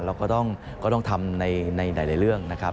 เราก็ต้องทำในหลายเรื่องนะครับ